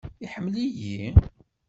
Iḥemmel-iyi?